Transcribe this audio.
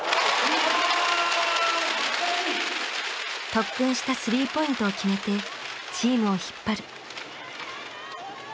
特訓した３ポイントを決めてチームを引っ張る。